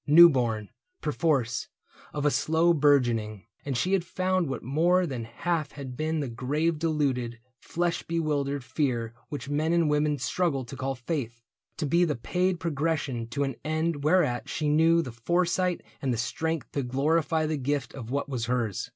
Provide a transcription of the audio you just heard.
New born, perforce, of a slow bourgeoning. And she had found what more than half had been The grave deluded, flesh bewildered fear Which men and women struggle to call faith, To be the paid progression to an end Whereat she knew the foresight and the strength To glorify the gift of what was hers.